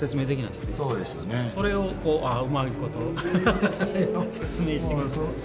それをこううまいこと説明してくれて。